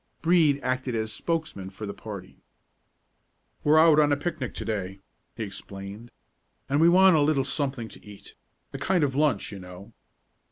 Brede acted as spokesman for the party. "We're out on a picnic to day," he explained, "and we want a little something to eat; a kind of lunch, you know."